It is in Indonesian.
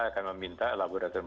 akan meminta laboratorium